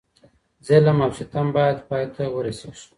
ظلم او ستم بايد پای ته ورسيږي.